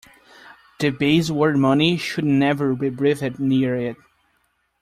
The base word money should never be breathed near it!